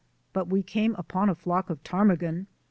But we came upon a flock of ptarmigan.